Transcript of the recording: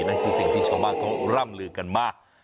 นั่นคือสิ่งที่ชาวบ้านเขาร่ำลือกันมาก